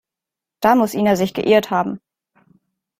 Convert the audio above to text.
Da muss Ina sich geirrt haben.